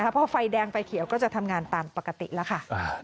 พอไฟแดงไฟเขียวก็จะทำงานตามปกติแล้วค่ะ